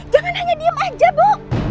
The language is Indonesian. jangan hanya diem aja bu